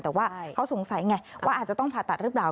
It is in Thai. แต่ว่าเขาสงสัยไงว่าอาจจะต้องผ่าตัดหรือเปล่า